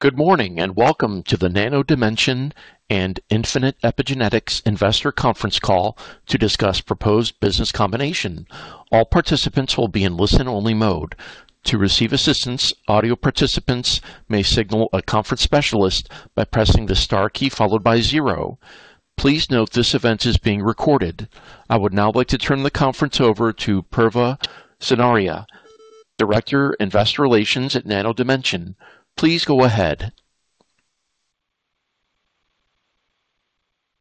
Good morning, and welcome to the Nano Dimension and Infinite Epigenetics investor conference call to discuss proposed business combination. All participants will be in listen-only mode. To receive assistance, audio participants may signal a conference specialist by pressing the star key followed by 0. Please note this event is being recorded. I would now like to turn the conference over to Purva Sanariya, Director, Investor Relations at Nano Dimension. Please go ahead.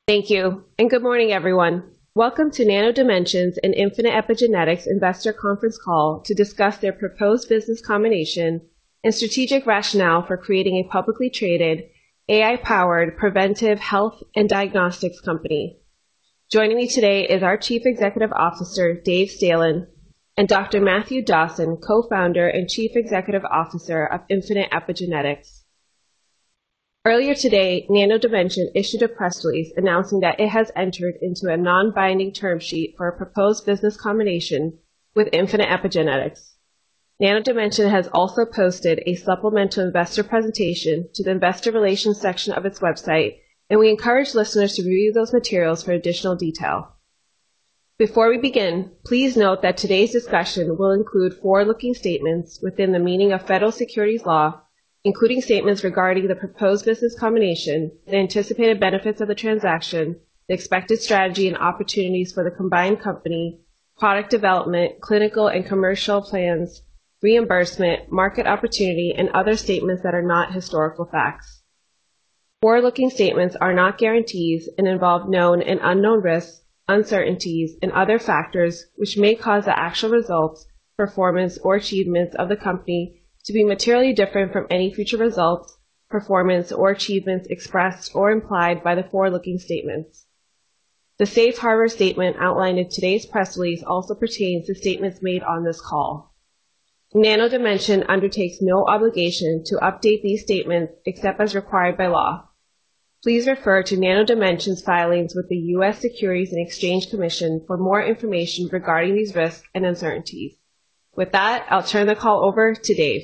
Thank you. Good morning, everyone. Welcome to Nano Dimension's and Infinite Epigenetics investor conference call to discuss their proposed business combination and strategic rationale for creating a publicly traded AI-powered preventive health and diagnostics company. Joining me today is our Chief Executive Officer, David Staelin, and Dr. Matthew Dawson, Co-founder and Chief Executive Officer of Infinite Epigenetics. Earlier today, Nano Dimension issued a press release announcing that it has entered into a non-binding term sheet for a proposed business combination with Infinite Epigenetics. Nano Dimension has also posted a supplemental investor presentation to the investor relations section of its website. We encourage listeners to review those materials for additional detail. Before we begin, please note that today's discussion will include forward-looking statements within the meaning of federal securities law, including statements regarding the proposed business combination, the anticipated benefits of the transaction, the expected strategy, opportunities for the combined company, product development, clinical and commercial plans, reimbursement, market opportunity, other statements that are not historical facts. Forward-looking statements are not guarantees, involve known and unknown risks, uncertainties, other factors which may cause the actual results, performance, or achievements of the company to be materially different from any future results, performance, or achievements expressed or implied by the forward-looking statements. The safe harbor statement outlined in today's press release also pertains to statements made on this call. Nano Dimension undertakes no obligation to update these statements except as required by law. Please refer to Nano Dimension's filings with the U.S. Securities and Exchange Commission for more information regarding these risks and uncertainties. With that, I'll turn the call over to Dave.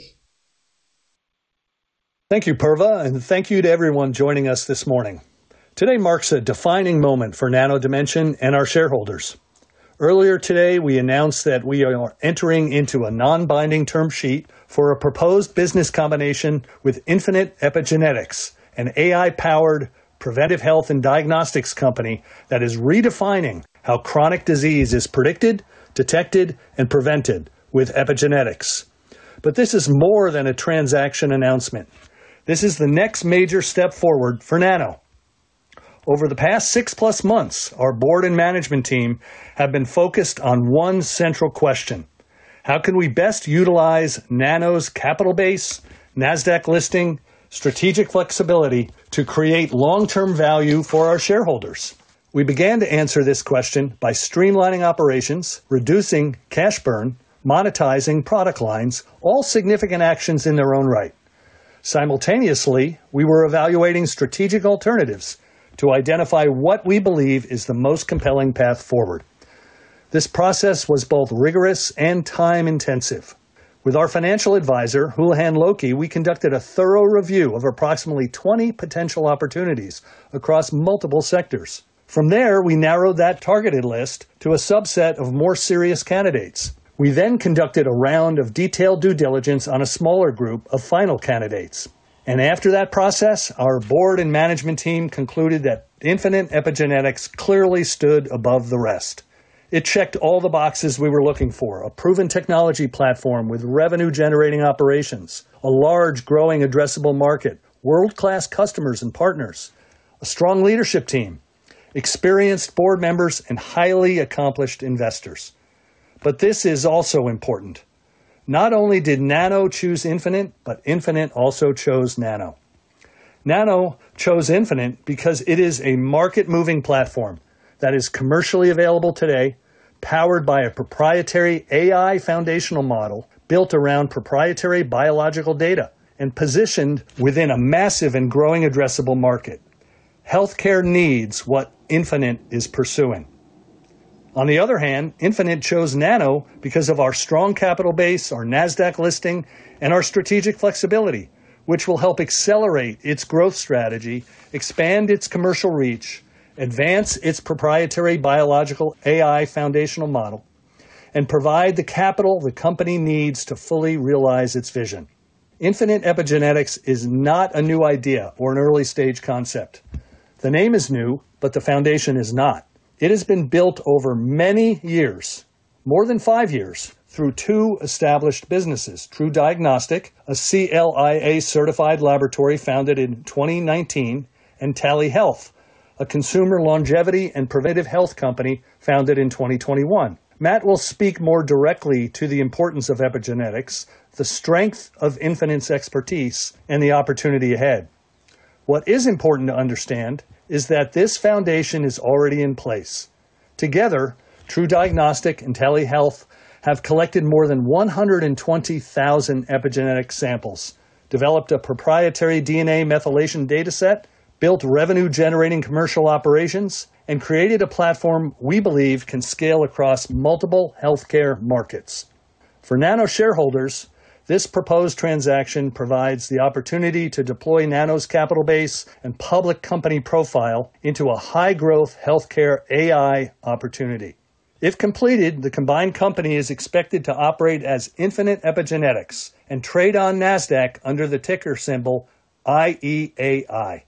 Thank you, Purva, and thank you to everyone joining us this morning. Today marks a defining moment for Nano Dimension and our shareholders. Earlier today, we announced that we are entering into a non-binding term sheet for a proposed business combination with Infinite Epigenetics, an AI-powered preventive health and diagnostics company that is redefining how chronic disease is predicted, detected, and prevented with epigenetics. This is more than a transaction announcement. This is the next major step forward for Nano. Over the past six-plus months, our board and management team have been focused on one central question. How can we best utilize Nano's capital base, Nasdaq listing, strategic flexibility to create long-term value for our shareholders? We began to answer this question by streamlining operations, reducing cash burn, monetizing product lines, all significant actions in their own right. Simultaneously, we were evaluating strategic alternatives to identify what we believe is the most compelling path forward. This process was both rigorous and time-intensive. With our financial advisor, Houlihan Lokey, we conducted a thorough review of approximately 20 potential opportunities across multiple sectors. From there, we narrowed that targeted list to a subset of more serious candidates. We conducted a round of detailed due diligence on a smaller group of final candidates. After that process, our board and management team concluded that Infinite Epigenetics clearly stood above the rest. It checked all the boxes we were looking for, a proven technology platform with revenue-generating operations, a large, growing addressable market, world-class customers and partners, a strong leadership team, experienced board members, and highly accomplished investors. This is also important. Not only did Nano choose Infinite, but Infinite also chose Nano. Nano chose Infinite because it is a market-moving platform that is commercially available today, powered by a proprietary AI foundational model built around proprietary biological data and positioned within a massive and growing addressable market. Healthcare needs what Infinite is pursuing. On the other hand, Infinite chose Nano because of our strong capital base, our Nasdaq listing, and our strategic flexibility, which will help accelerate its growth strategy, expand its commercial reach, advance its proprietary biological AI foundational model, and provide the capital the company needs to fully realize its vision. Infinite Epigenetics is not a new idea or an early-stage concept. The name is new, but the foundation is not. It has been built over many years, more than five years, through two established businesses, TruDiagnostic, a CLIA-certified laboratory founded in 2019, and Tally Health, a consumer longevity and preventive health company founded in 2021. Matt will speak more directly to the importance of epigenetics, the strength of Infinite's expertise, and the opportunity ahead. What is important to understand is that this foundation is already in place. Together, TruDiagnostic and Tally Health have collected more than 120,000 epigenetic samples, developed a proprietary DNA methylation data set, built revenue-generating commercial operations, and created a platform we believe can scale across multiple healthcare markets. For Nano shareholders, this proposed transaction provides the opportunity to deploy Nano's capital base and public company profile into a high-growth healthcare AI opportunity. If completed, the combined company is expected to operate as Infinite Epigenetics and trade on Nasdaq under the ticker symbol IEAI.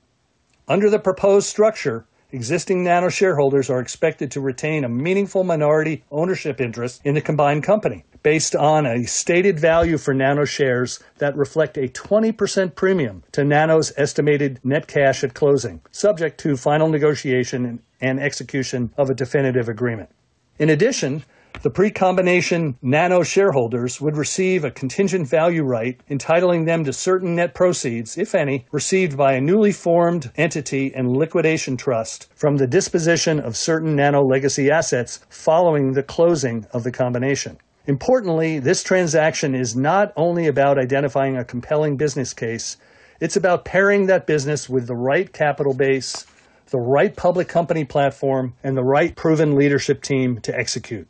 Under the proposed structure, existing Nano shareholders are expected to retain a meaningful minority ownership interest in the combined company based on a stated value for Nano shares that reflect a 20% premium to Nano's estimated net cash at closing, subject to final negotiation and execution of a definitive agreement. In addition, the pre-combination Nano shareholders would receive a contingent value right entitling them to certain net proceeds, if any, received by a newly formed entity and liquidation trust from the disposition of certain Nano legacy assets following the closing of the combination. This transaction is not only about identifying a compelling business case, it's about pairing that business with the right capital base, the right public company platform, and the right proven leadership team to execute.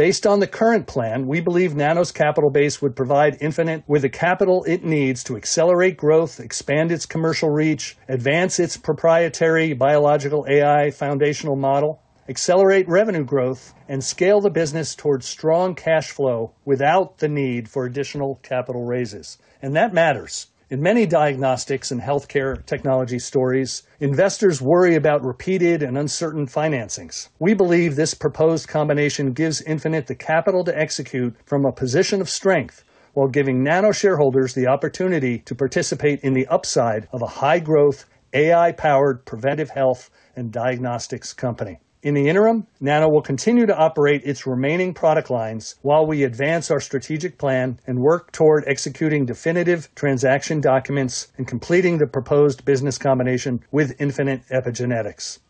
Based on the current plan, we believe Nano's capital base would provide Infinite with the capital it needs to accelerate growth, expand its commercial reach, advance its proprietary biological AI foundational model, accelerate revenue growth, and scale the business towards strong cash flow without the need for additional capital raises, that matters. In many diagnostics and healthcare technology stories, investors worry about repeated and uncertain financings. We believe this proposed combination gives Infinite the capital to execute from a position of strength while giving Nano shareholders the opportunity to participate in the upside of a high-growth, AI-powered preventive health and diagnostics company. In the interim, Nano will continue to operate its remaining product lines while we advance our strategic plan and work toward executing definitive transaction documents and completing the proposed business combination with Infinite Epigenetics.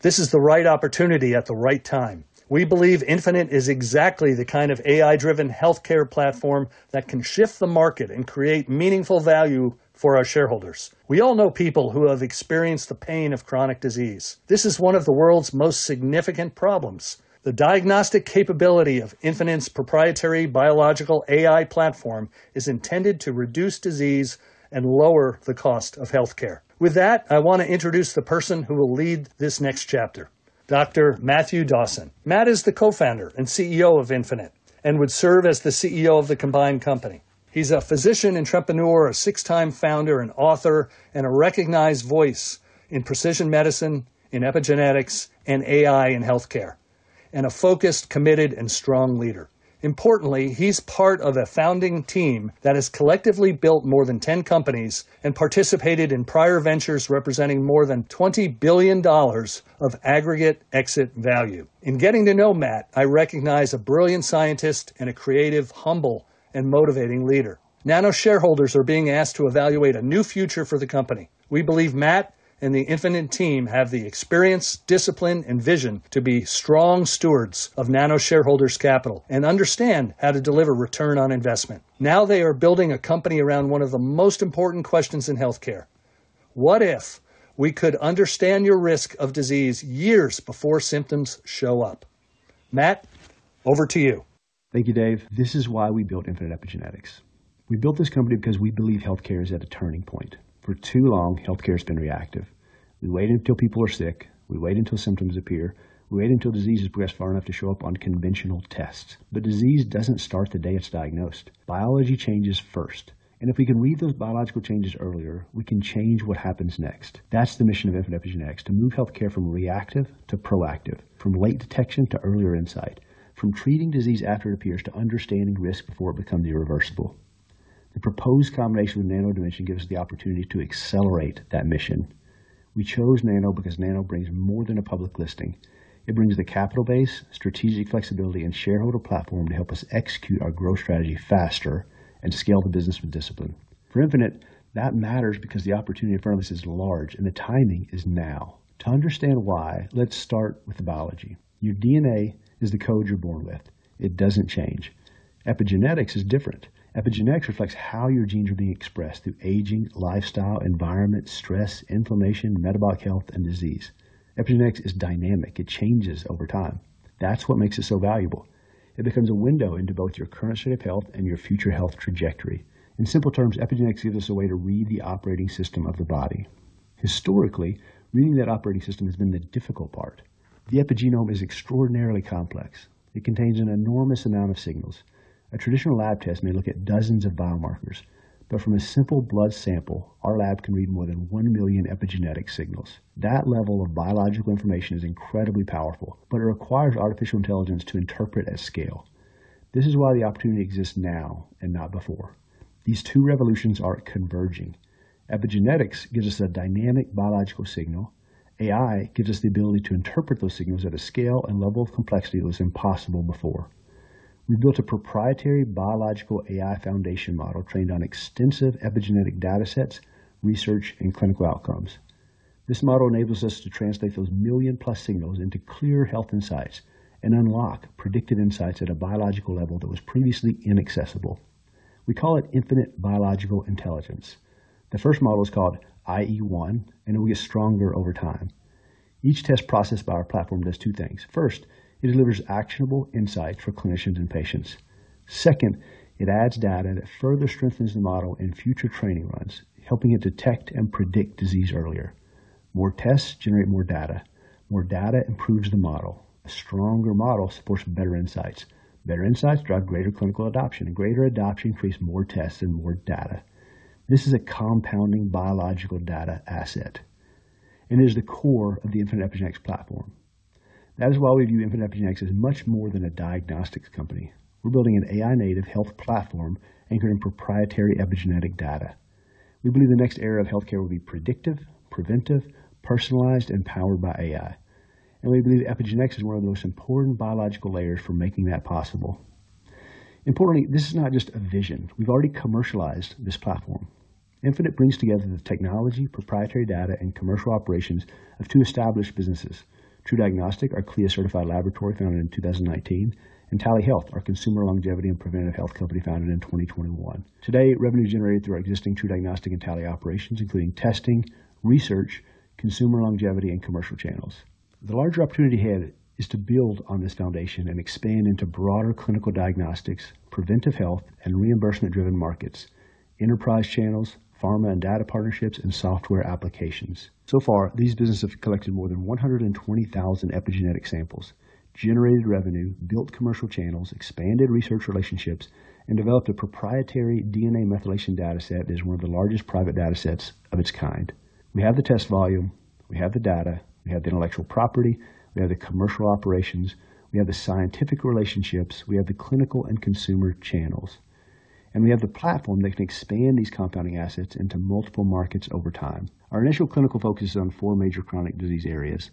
This is the right opportunity at the right time. We believe Infinite is exactly the kind of AI-driven healthcare platform that can shift the market and create meaningful value for our shareholders. We all know people who have experienced the pain of chronic disease. This is one of the world's most significant problems. The diagnostic capability of Infinite's proprietary biological AI platform is intended to reduce disease and lower the cost of healthcare. With that, I want to introduce the person who will lead this next chapter, Dr. Matthew Dawson. Matt is the co-founder and CEO of Infinite and would serve as the CEO of the combined company. He's a physician entrepreneur, a six-time founder and author, and a recognized voice in precision medicine, in epigenetics, and AI in healthcare, and a focused, committed, and strong leader. He's part of a founding team that has collectively built more than 10 companies and participated in prior ventures representing more than $20 billion of aggregate exit value. In getting to know Matt, I recognize a brilliant scientist and a creative, humble, and motivating leader. Nano shareholders are being asked to evaluate a new future for the company. We believe Matt and the Infinite team have the experience, discipline, and vision to be strong stewards of Nano shareholders' capital and understand how to deliver return on investment. They are building a company around one of the most important questions in healthcare: what if we could understand your risk of disease years before symptoms show up? Matt, over to you. Thank you, Dave. This is why we built Infinite Epigenetics. We built this company because we believe healthcare is at a turning point. For too long, healthcare has been reactive. We wait until people are sick. We wait until symptoms appear. We wait until disease has progressed far enough to show up on conventional tests. Disease doesn't start the day it's diagnosed. Biology changes first, and if we can read those biological changes earlier, we can change what happens next. That's the mission of Infinite Epigenetics, to move healthcare from reactive to proactive, from late detection to earlier insight, from treating disease after it appears to understanding risk before it becomes irreversible. The proposed combination with Nano Dimension gives us the opportunity to accelerate that mission. We chose Nano because Nano brings more than a public listing. It brings the capital base, strategic flexibility, and shareholder platform to help us execute our growth strategy faster and scale the business with discipline. For Infinite, that matters because the opportunity in front of us is large and the timing is now. To understand why, let's start with the biology. Your DNA is the code you're born with. It doesn't change. Epigenetics is different. Epigenetics reflects how your genes are being expressed through aging, lifestyle, environment, stress, inflammation, metabolic health, and disease. Epigenetics is dynamic. It changes over time. That's what makes it so valuable. It becomes a window into both your current state of health and your future health trajectory. In simple terms, epigenetics gives us a way to read the operating system of the body. Historically, reading that operating system has been the difficult part. The epigenome is extraordinarily complex. It contains an enormous amount of signals. A traditional lab test may look at dozens of biomarkers, but from a simple blood sample, our lab can read more than 1 million epigenetic signals. That level of biological information is incredibly powerful, but it requires artificial intelligence to interpret at scale. This is why the opportunity exists now and not before. These two revolutions are converging. Epigenetics gives us a dynamic biological signal. AI gives us the ability to interpret those signals at a scale and level of complexity that was impossible before. We built a proprietary biological AI foundation model trained on extensive epigenetic datasets, research, and clinical outcomes. This model enables us to translate those million-plus signals into clear health insights and unlock predictive insights at a biological level that was previously inaccessible. We call it Infinite Biological Intelligence. The first model is called IE1. It will get stronger over time. Each test processed by our platform does two things. First, it delivers actionable insight for clinicians and patients. Second, it adds data that further strengthens the model in future training runs, helping it detect and predict disease earlier. More tests generate more data. More data improves the model. A stronger model supports better insights. Better insights drive greater clinical adoption. Greater adoption creates more tests and more data. This is a compounding biological data asset and is the core of the Infinite Epigenetics platform. That is why we view Infinite Epigenetics as much more than a diagnostics company. We're building an AI-native health platform anchored in proprietary epigenetic data. We believe the next era of healthcare will be predictive, preventive, personalized, and powered by AI. We believe epigenetics is one of the most important biological layers for making that possible. Importantly, this is not just a vision. We've already commercialized this platform. Infinite brings together the technology, proprietary data, and commercial operations of two established businesses, TruDiagnostic, our CLIA-certified laboratory founded in 2019, and Tally Health, our consumer longevity and preventive health company founded in 2021. Today, revenue generated through our existing TruDiagnostic and Tally operations, including testing, research, consumer longevity, and commercial channels. The larger opportunity ahead is to build on this foundation and expand into broader clinical diagnostics, preventive health, and reimbursement-driven markets, enterprise channels, pharma and data partnerships, and software applications. So far, these businesses have collected more than 120,000 epigenetic samples, generated revenue, built commercial channels, expanded research relationships, and developed a proprietary DNA methylation data set that is one of the largest private data sets of its kind. We have the test volume. We have the data. We have the intellectual property. We have the commercial operations. We have the scientific relationships. We have the clinical and consumer channels, and we have the platform that can expand these compounding assets into multiple markets over time. Our initial clinical focus is on four major chronic disease areas: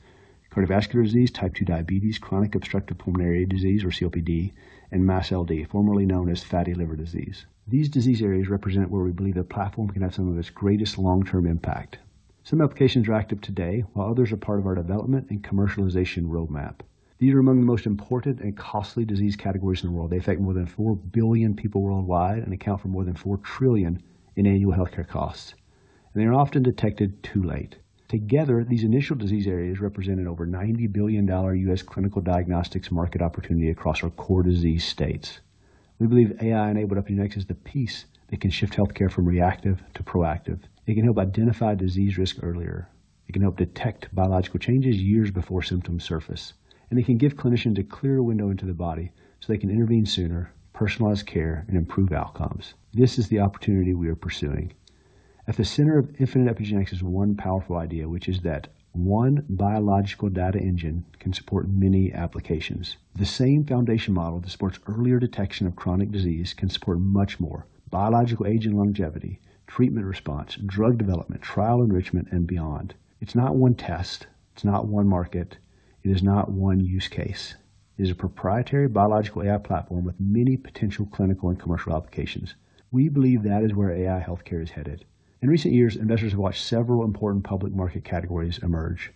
cardiovascular disease, type 2 diabetes, chronic obstructive pulmonary disease, or COPD, and MASLD, formerly known as fatty liver disease. These disease areas represent where we believe the platform can have some of its greatest long-term impact. Some applications are active today, while others are part of our development and commercialization roadmap. These are among the most important and costly disease categories in the world. They affect more than four billion people worldwide and account for more than $4 trillion in annual healthcare costs. They are often detected too late. Together, these initial disease areas represent an over $90 billion U.S. clinical diagnostics market opportunity across our core disease states. We believe AI-enabled epigenetics is the piece that can shift healthcare from reactive to proactive. It can help identify disease risk earlier. It can help detect biological changes years before symptoms surface. It can give clinicians a clear window into the body so they can intervene sooner, personalize care, and improve outcomes. This is the opportunity we are pursuing. At the center of Infinite Epigenetics is one powerful idea, which is that one biological data engine can support many applications. The same foundation model that supports earlier detection of chronic disease can support much more. Biological aging and longevity, treatment response, drug development, trial enrichment, and beyond. It's not one test, it's not one market, it is not one use case. It is a proprietary biological AI platform with many potential clinical and commercial applications. We believe that is where AI healthcare is headed. In recent years, investors have watched several important public market categories emerge.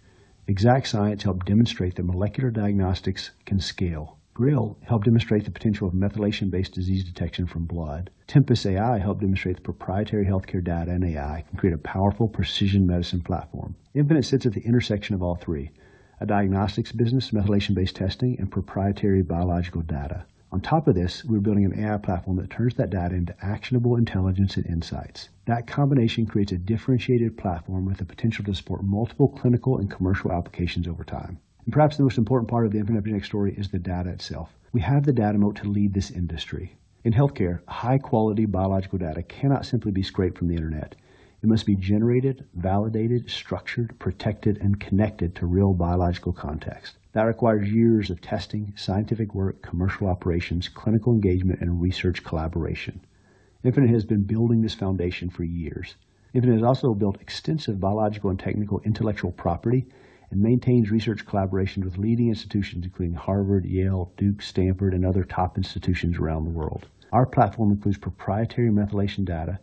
Exact Sciences helped demonstrate that molecular diagnostics can scale. Grail helped demonstrate the potential of methylation-based disease detection from blood. Tempus AI helped demonstrate that proprietary healthcare data and AI can create a powerful precision medicine platform. Infinite sits at the intersection of all three, a diagnostics business, methylation-based testing, and proprietary biological data. On top of this, we're building an AI platform that turns that data into actionable intelligence and insights. That combination creates a differentiated platform with the potential to support multiple clinical and commercial applications over time. Perhaps the most important part of the Infinite Epigenetics story is the data itself. We have the data moat to lead this industry. In healthcare, high-quality biological data cannot simply be scraped from the internet. It must be generated, validated, structured, protected, and connected to real biological context. That requires years of testing, scientific work, commercial operations, clinical engagement, and research collaboration. Infinite has been building this foundation for years. Infinite has also built extensive biological and technical intellectual property and maintains research collaboration with leading institutions, including Harvard, Yale, Duke, Stanford, and other top institutions around the world. Our platform includes proprietary methylation data,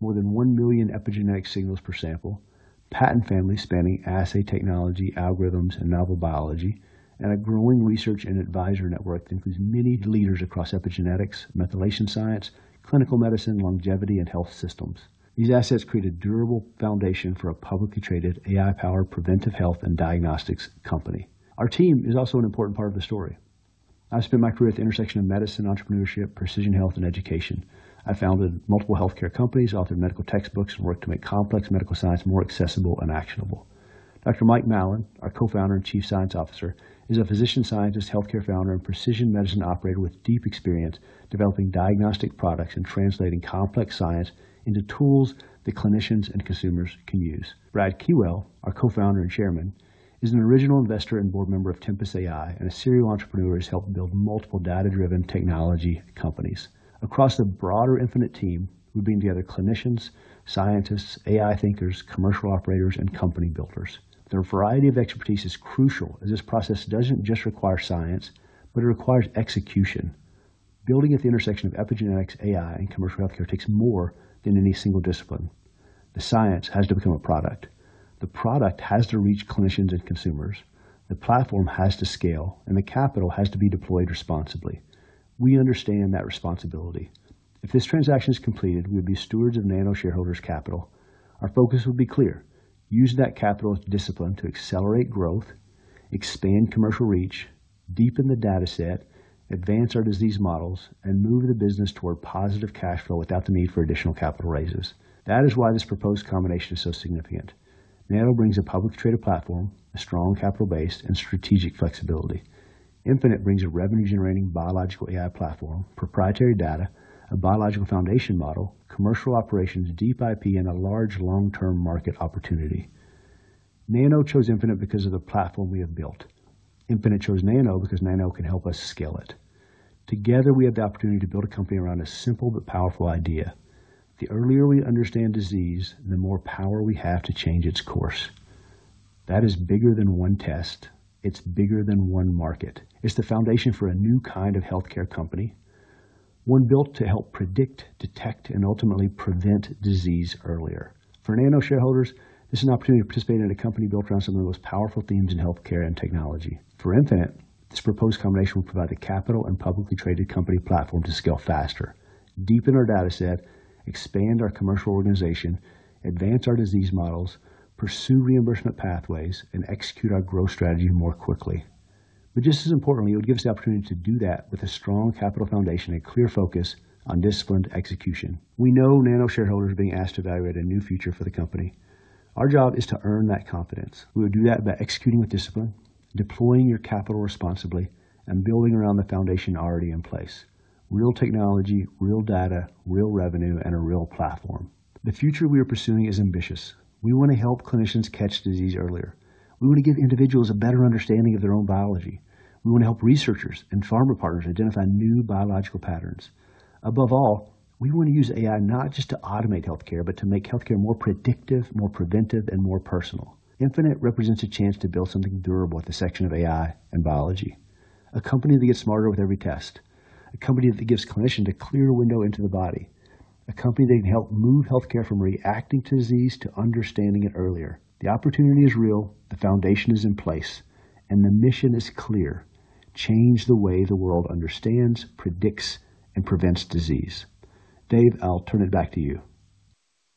more than 1 billion epigenetic signals per sample, patent families spanning assay technology, algorithms, and novel biology, and a growing research and advisor network that includes many leaders across epigenetics, methylation science, clinical medicine, longevity, and health systems. These assets create a durable foundation for a publicly traded, AI-powered, preventive health and diagnostics company. Our team is also an important part of the story. I've spent my career at the intersection of medicine, entrepreneurship, precision health, and education. I founded multiple healthcare companies, authored medical textbooks, and worked to make complex medical science more accessible and actionable. Dr. Mike Mallin, our co-founder and chief science officer, is a physician scientist, healthcare founder, and precision medicine operator with deep experience developing diagnostic products and translating complex science into tools that clinicians and consumers can use. Brad Keywell, our co-founder and chairman, is an original investor and board member of Tempus AI and a serial entrepreneur who has helped build multiple data-driven technology companies. Across the broader Infinite team, we bring together clinicians, scientists, AI thinkers, commercial operators, and company builders. Their variety of expertise is crucial, as this process doesn't just require science, but it requires execution. Building at the intersection of epigenetics, AI, and commercial healthcare takes more than any single discipline. The science has to become a product. The product has to reach clinicians and consumers. The platform has to scale. The capital has to be deployed responsibly. We understand that responsibility. If this transaction is completed, we would be stewards of Nano shareholders' capital. Our focus would be clear: use that capital with discipline to accelerate growth, expand commercial reach, deepen the data set, advance our disease models, and move the business toward positive cash flow without the need for additional capital raises. That is why this proposed combination is so significant. Nano brings a public traded platform, a strong capital base, and strategic flexibility. Infinite brings a revenue-generating biological AI platform, proprietary data, a biological foundation model, commercial operations, deep IP, and a large long-term market opportunity. Nano chose Infinite because of the platform we have built. Infinite chose Nano because Nano can help us scale it. Together, we have the opportunity to build a company around a simple but powerful idea. The earlier we understand disease, the more power we have to change its course. That is bigger than one test. It's bigger than one market. It's the foundation for a new kind of healthcare company, one built to help predict, detect, and ultimately prevent disease earlier. For Nano shareholders, this is an opportunity to participate in a company built around some of the most powerful themes in healthcare and technology. For Infinite, this proposed combination will provide the capital and publicly traded company platform to scale faster, deepen our data set, expand our commercial organization, advance our disease models, pursue reimbursement pathways, and execute our growth strategy more quickly. Just as importantly, it would give us the opportunity to do that with a strong capital foundation and clear focus on disciplined execution. We know Nano shareholders are being asked to evaluate a new future for the company. Our job is to earn that confidence. We would do that by executing with discipline, deploying your capital responsibly, and building around the foundation already in place. Real technology, real data, real revenue, and a real platform. The future we are pursuing is ambitious. We want to help clinicians catch disease earlier. We want to give individuals a better understanding of their own biology. We want to help researchers and pharma partners identify new biological patterns. Above all, we want to use AI not just to automate healthcare, but to make healthcare more predictive, more preventive, and more personal. Infinite represents a chance to build something durable at the intersection of AI and biology, a company that gets smarter with every test, a company that gives clinician a clear window into the body, a company that can help move healthcare from reacting to disease to understanding it earlier. The opportunity is real, the foundation is in place, and the mission is clear. Change the way the world understands, predicts, and prevents disease. Dave, I'll turn it back to you.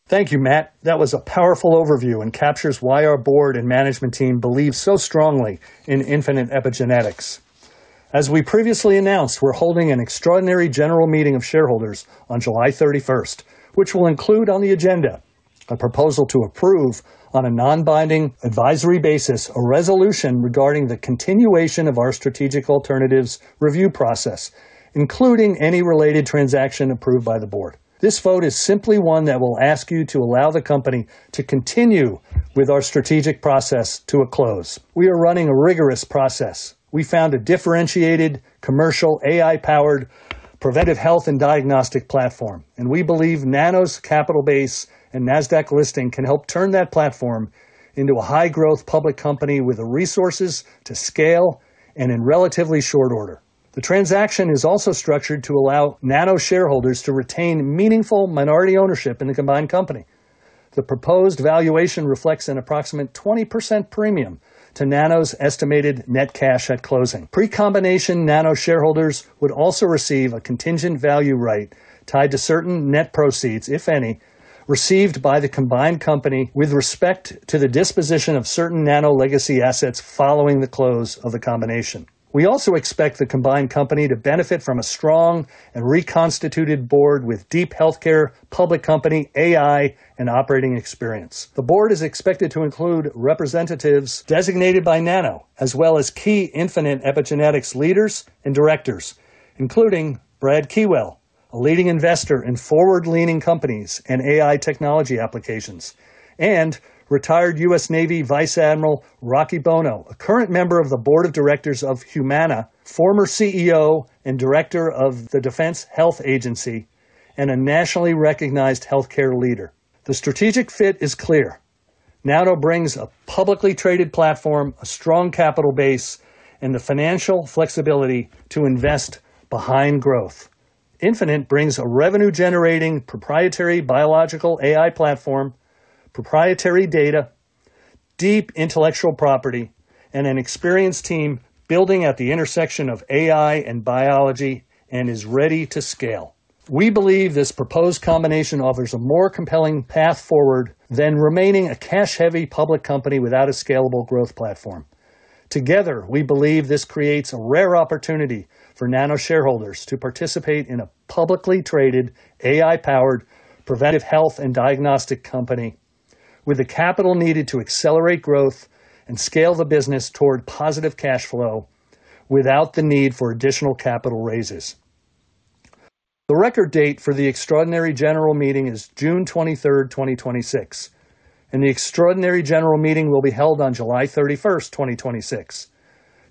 Thank you, Matt. That was a powerful overview and captures why our board and management team believe so strongly in Infinite Epigenetics. As we previously announced, we're holding an extraordinary general meeting of shareholders on July 31st, which will include on the agenda a proposal to approve on a non-binding advisory basis a resolution regarding the continuation of our strategic alternatives review process, including any related transaction approved by the board. This vote is simply one that will ask you to allow the company to continue with our strategic process to a close. We are running a rigorous process. We found a differentiated commercial, AI-powered, preventive health, and diagnostic platform, and we believe Nano's capital base and Nasdaq listing can help turn that platform into a high-growth public company with the resources to scale and in relatively short order. The transaction is also structured to allow Nano shareholders to retain meaningful minority ownership in the combined company. The proposed valuation reflects an approximate 20% premium to Nano's estimated net cash at closing. Pre-combination Nano shareholders would also receive a contingent value right tied to certain net proceeds, if any, received by the combined company with respect to the disposition of certain Nano legacy assets following the close of the combination. We also expect the combined company to benefit from a strong and reconstituted board with deep healthcare, public company, AI, and operating experience. The board is expected to include representatives designated by Nano, as well as key Infinite Epigenetics leaders and directors, including Brad Keywell, a leading investor in forward-leaning companies and AI technology applications, and retired U.S. Navy Vice Admiral Rocky Bono, a current member of the board of directors of Humana, former CEO and director of the Defense Health Agency, and a nationally recognized healthcare leader. The strategic fit is clear. Nano brings a publicly traded platform, a strong capital base, and the financial flexibility to invest behind growth. Infinite brings a revenue-generating proprietary biological AI platform, proprietary data, deep intellectual property, and an experienced team building at the intersection of AI and biology, and is ready to scale. We believe this proposed combination offers a more compelling path forward than remaining a cash-heavy public company without a scalable growth platform. Together, we believe this creates a rare opportunity for Nano shareholders to participate in a publicly traded, AI-powered, preventive health and diagnostic company with the capital needed to accelerate growth and scale the business toward positive cash flow without the need for additional capital raises. The record date for the extraordinary general meeting is June 23rd, 2026, and the extraordinary general meeting will be held on July 31st, 2026.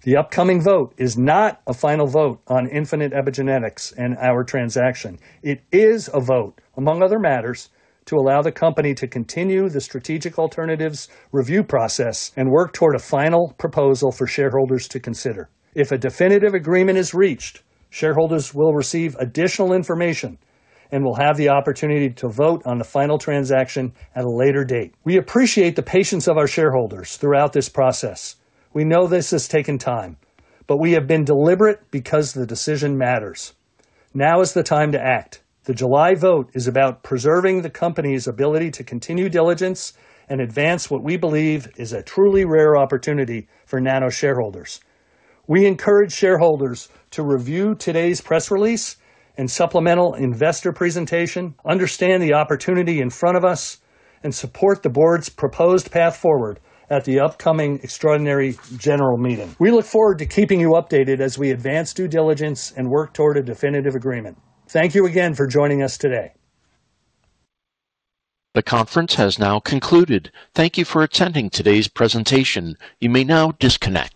The upcoming vote is not a final vote on Infinite Epigenetics and our transaction. It is a vote, among other matters, to allow the company to continue the strategic alternatives review process and work toward a final proposal for shareholders to consider. If a definitive agreement is reached, shareholders will receive additional information and will have the opportunity to vote on the final transaction at a later date. We appreciate the patience of our shareholders throughout this process. We know this has taken time, but we have been deliberate because the decision matters. Now is the time to act. The July vote is about preserving the company's ability to continue diligence and advance what we believe is a truly rare opportunity for Nano shareholders. We encourage shareholders to review today's press release and supplemental investor presentation, understand the opportunity in front of us, and support the board's proposed path forward at the upcoming extraordinary general meeting. We look forward to keeping you updated as we advance due diligence and work toward a definitive agreement. Thank you again for joining us today. The conference has now concluded. Thank you for attending today's presentation. You may now disconnect.